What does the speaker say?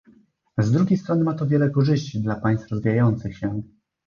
Z drugiej strony ma to wiele korzyści dla państw rozwijających się